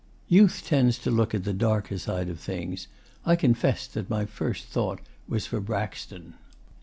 Youth tends to look at the darker side of things. I confess that my first thought was for Braxton.